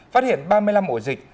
phát hiện ba mươi năm ổ dịch